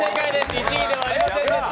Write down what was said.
１位ではありませんでした。